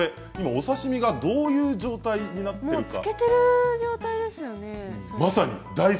お刺身がどういう状態になっているか分かりますか？